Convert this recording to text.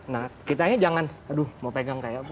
nah kita hanya jangan aduh mau pegang kayak apa